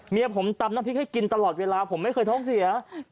เมียผมตำน้ำพริกให้กินตลอดเวลาผมไม่เคยท้องเสีย